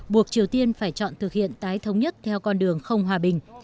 buộc triều tiên phải chọn thực hiện tái thống nhất theo con đường không hòa bình